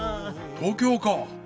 東京か。